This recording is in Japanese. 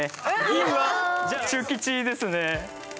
銀は中吉ですね